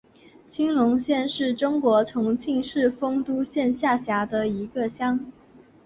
青龙乡是中国重庆市丰都县下辖的一个乡。